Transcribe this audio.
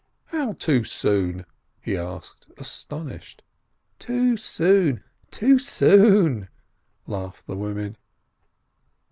"How too soon?" he asked, astonished. "Too soon — too soon —" laughed the women.